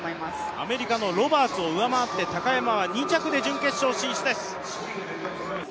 アメリカのロバーツを上回って高山は２着で準決勝進出です。